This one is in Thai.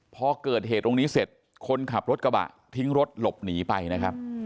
พอเกิดเหตุตรงนี้เสร็จคนขับรถกระบะทิ้งรถหลบหนีไปนะครับ